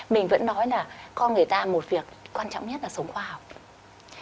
mình vẫn nói là con người ta một việc quan trọng nhất là sống khoa học